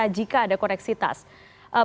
maksudnya ini adalah peradilan militer